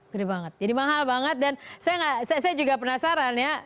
gede banget jadi mahal banget dan saya juga penasaran ya